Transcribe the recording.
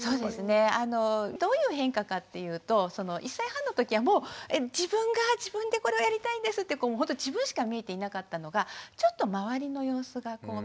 どういう変化かっていうと１歳半の時はもう自分が自分でこれをやりたいんですってほんとに自分しか見えていなかったのがちょっと周りの様子が見えてきて。